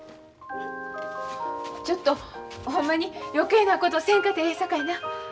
ちょっとほんまに余計なことせんかてええさかいな。